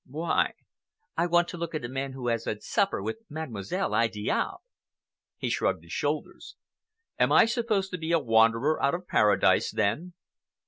"Why?" "I want to look at a man who has had supper with Mademoiselle Idiale." He shrugged his shoulders. "Am I supposed to be a wanderer out of Paradise, then?"